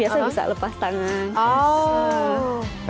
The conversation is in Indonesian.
ini dia juga ya